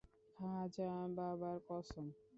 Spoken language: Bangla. খাজা বাবার কসম।